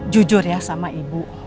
jujur ya sama ibu